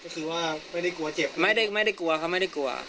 ก็คือว่าไม่ได้กลัวเจ็บไม่ได้ไม่ได้กลัวครับไม่ได้กลัว